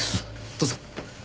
どうぞ。